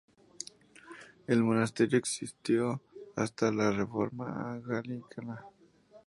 El monasterio existió hasta la Reforma anglicana.